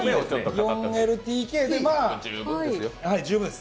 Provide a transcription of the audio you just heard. ４ＬＤＫで十分です。